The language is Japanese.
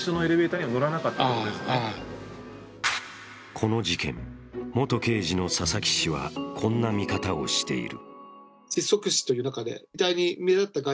この事件、元刑事の佐々木氏はこんな見方をしている。